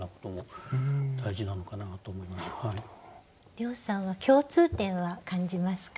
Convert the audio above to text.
涼さんは共通点は感じますか？